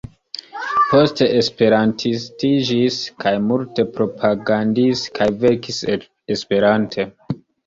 Poste Esperantistiĝis kaj multe propagandis kaj verkis Esperante.